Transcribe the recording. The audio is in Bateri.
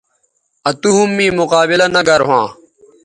آ تو ھم می مقابلہ نہ گرھواں